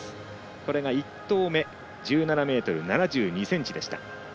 １投目は１７ｍ７２ｃｍでした。